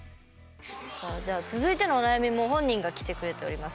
続いてのお悩みも本人が来てくれております。